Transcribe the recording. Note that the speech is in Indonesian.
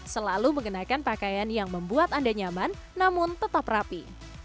selalu mengenakan pakaian yang membuat anda nyaman namun tetap rapi